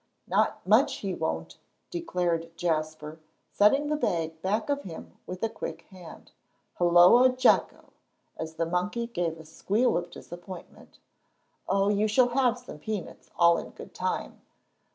"Not much he won't," declared Jasper, setting the bag back of him with a quick hand. "Hulloa, Jocko!" as the monkey gave a squeal of disappointment. "Oh, you shall have some peanuts all in good time.